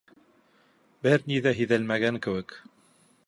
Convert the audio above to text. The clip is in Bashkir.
Бер ни ҙә һиҙелмәгән кеүек.